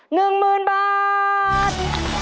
๑หมื่นบาท